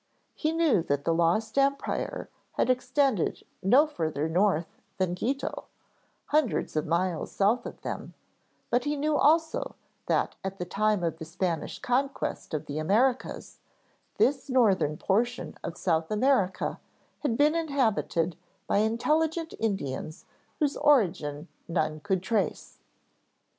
He knew that the lost empire had extended no further north than Quito, hundreds of miles south of them, but he knew also that at the time of the Spanish conquest of the Americas, this northern portion of South America had been inhabited by intelligent Indians whose origin none could trace.